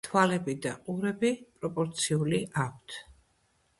თვალები და ყურები პროპორციული აქვთ.